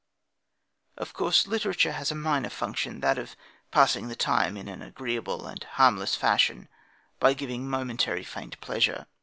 Of course, literature has a minor function, that of passing the time in an agreeable and harmless fashion, by giving momentary faint pleasure.